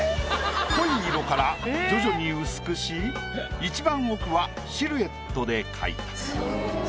濃い色から徐々に薄くしいちばん奥はシルエットで描いた。